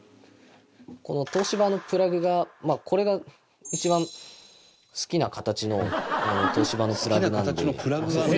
この東芝のプラグがこれが一番好きな形の東芝のプラグなんで。